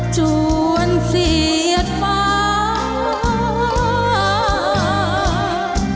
จวนเสียดฝัง